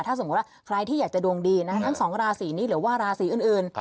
ถ้าสมมุติว่าใครที่อยากจะดวงดีทั้งสองราศีนี้หรือว่าราศีอื่น